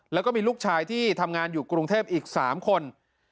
แล้วก็มีลูกชายที่ทำงานอยู่กรุงเทพอีก๓คน